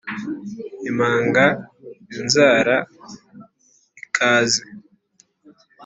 imanga: inzara ikaze